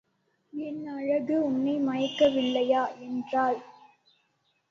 என் அழகு உன்னை மயக்கவில்லையா? என்றாள்.